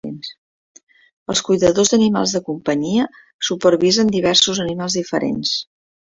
Els cuidadors d'animals de companyia supervisen diversos animals diferents.